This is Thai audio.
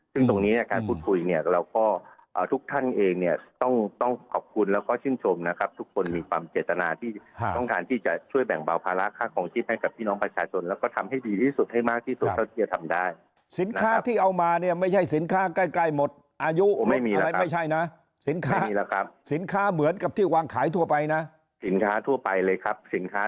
ซึ่งตรงนี้การพูดคุยเนี่ยเราก็ทุกท่านเองเนี่ยต้องต้องขอบคุณแล้วก็ชื่นชมนะครับทุกคนมีความเจตนาที่ต้องการที่จะช่วยแบ่งเบาภาระค่าคลองชีพให้กับพี่น้องประชาชนแล้วก็ทำให้ดีที่สุดให้มากที่สุดเท่าที่จะทำได้สินค้าที่เอามาเนี่ยไม่ใช่สินค้าใกล้ใกล้หมดอายุไม่มีนะสินค้าเหมือนกับที่วางขายทั่วไปนะสินค้าทั่วไปเลยครับสินค้า